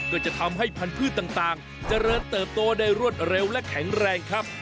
ก็จะทำให้พันธุ์ต่างเจริญเติบโตได้รวดเร็วและแข็งแรงครับ